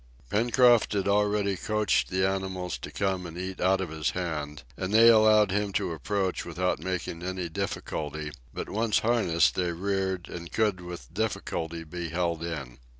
Pencroft had already coaxed the animals to come and eat out of his hand, and they allowed him to approach without making any difficulty, but once harnessed they reared and could with difficulty be held in.